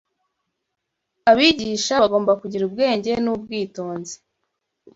Abigisha Bagomba Kugira Ubwenge n’Ubwitonzi